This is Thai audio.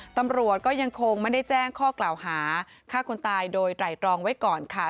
ตำรวจก็ยังคงไม่ได้แจ้งข้อกล่าวหาฆ่าคนตายโดยไตรตรองไว้ก่อนค่ะ